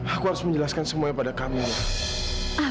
aku harus menjelaskan semuanya pada kami